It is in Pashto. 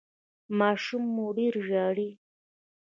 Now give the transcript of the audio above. ماشوم مو ډیر ژاړي؟